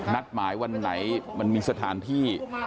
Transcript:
นัดหมายวันไหนมันมีสถานที่